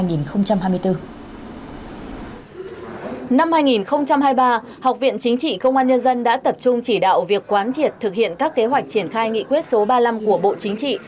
năm hai nghìn hai mươi ba học viện chính trị công an nhân dân đã tập trung chỉ đạo việc quán triệt thực hiện các kế hoạch triển khai nghị quyết số ba mươi năm của bộ chính trị